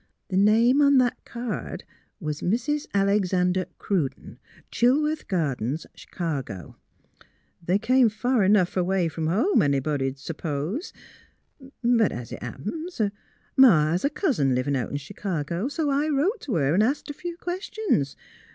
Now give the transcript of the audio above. The name on that card was Mrs. Alexander Cruden, Chilworth Gardens, Ch'cago. ... They came far enough away from home, anybody 'd s'pose. But as it happens, Ma has a cousin livin' out in Ch'cago, so I wrote t' her an' asked a few questions.